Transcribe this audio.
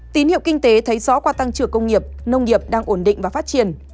tín hiệu kinh tế thấy rõ qua tăng trưởng công nghiệp nông nghiệp đang ổn định và phát triển